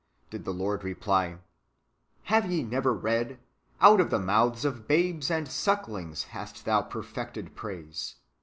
" did the Lord reply, " Have ye never read. Out of the mouths of babes and sucklings hast Thou perfected praise?"